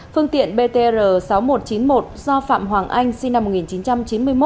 phương tiện btr sáu nghìn một trăm chín mươi một do phạm hoàng anh sinh năm một nghìn chín trăm chín mươi một